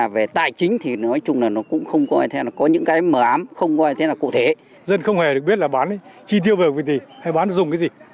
với những phản ảnh của người dân